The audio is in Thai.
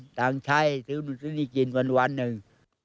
หลังใช่ซื้อนี่กินวันนึง